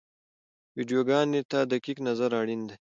ویډیوګانو ته دقیق نظر اړین دی.